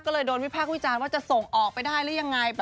ก็เลยโดนวิพากษ์วิจารณ์ว่าจะส่งออกไปได้หรือยังไง